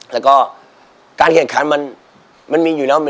แล้วก็การการขัดขันมันมีอยู่แล้วนะครับ